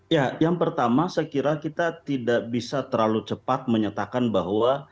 ya yang pertama saya kira kita tidak bisa terlalu cepat menyatakan bahwa